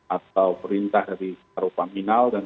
atau perintah dari taruh panggilan dan